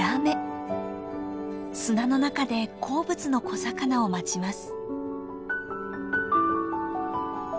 砂の中で好物の小魚を待ちます。